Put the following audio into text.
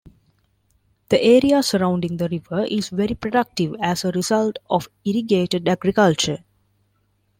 The area surrounding the river is very productive as a result of irrigated agriculture.